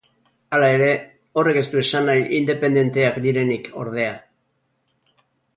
Hala ere, horrek ez du esan nahi independenteak direnik, ordea.